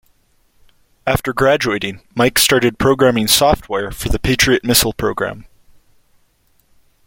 After graduating Mike started programming software for the Patriot Missile program.